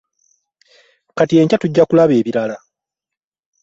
Kati enkya tujja kulaba ebirala.